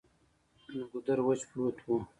نو ګودر وچ پروت وو ـ